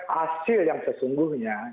hasil yang sesungguhnya